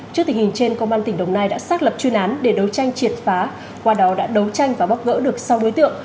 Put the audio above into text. trước tình hình trên công an tỉnh đồng nai đã xác lập chuyên án để đấu tranh triệt phá qua đó đã đấu tranh và bóc gỡ được sáu đối tượng